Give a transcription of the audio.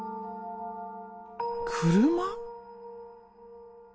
車？